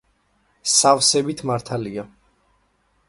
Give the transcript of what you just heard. სავსებით მართალია.